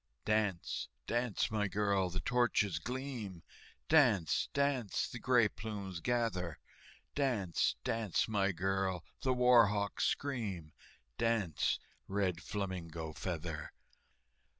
"Dance, dance, my girl, the torches gleam, Dance, dance, the gray plumes gather, Dance, dance, my girl, the war hawks scream, Dance, Red Flamingo Feather!"